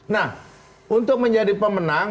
nah untuk menjadi pemenang